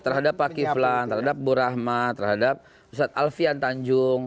terhadap pak kiflan terhadap bu rahmat terhadap ustadz alfian tanjung